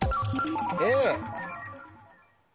Ａ。